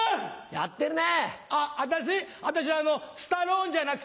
やってるね。